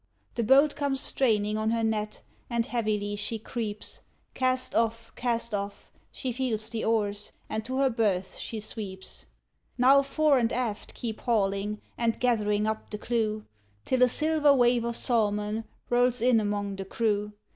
The boat comes straining on her net, and heavily she creeps, Cast off, cast off she feels the oars, and to her berth she sweeps; Now fore and aft keep hauling, and gathering up the clew, Till a silver wave of salmon rolls in among the crew.